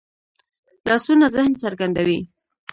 لاسونه ذهن څرګندوي